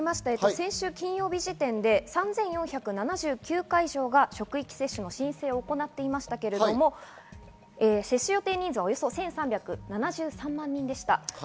先週金曜日時点で３４７９会場が職域接種の申請を行っていましたが、接種予定人数はおよそ１３７３万人でした。